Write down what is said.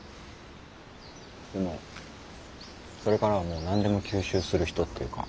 それからはもう何でも吸収する人っていうか。